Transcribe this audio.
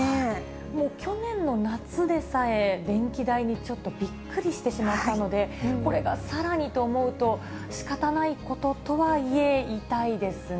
もう去年の夏でさえ、電気代にちょっとびっくりしてしまったので、これがさらにと思うと、しかたないこととはいえ、痛いですね。